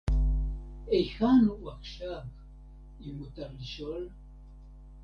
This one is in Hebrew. והיכן הוא עכשיו, אם מותר לשאול?